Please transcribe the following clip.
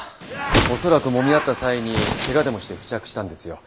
恐らくもみ合った際に怪我でもして付着したんですよ。